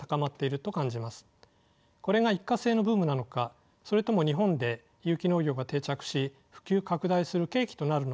これが一過性のブームなのかそれとも日本で有機農業が定着し普及拡大する契機となるのか